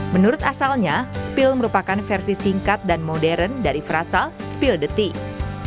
menurut asalnya spill merupakan versi singkat dan modern dari frasa spill the tick